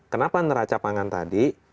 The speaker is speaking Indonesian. kenapa neraca pangan tadi